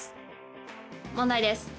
問題です。